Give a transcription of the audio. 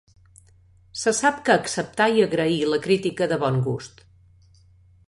Se sap que acceptà i agraí la crítica de bon gust.